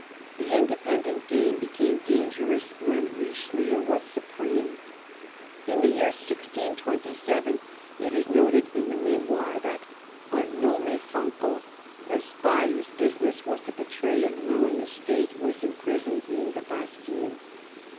The independent game became dangerous when Richelieu was supreme. In the THE CARDINAL 139 year 1627 it is noted in the Memoirs that "un nomme Fancan," a spy whose business was to betray and ruin the State, was imprisoned in the Bastille.